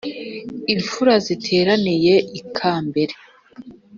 imfura ziteraniye ikambere;